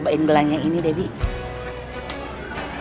cobain gelangnya ini debbie